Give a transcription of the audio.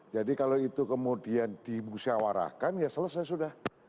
jadi kalau itu kemudian dimusyawarahkan ya selesai sudah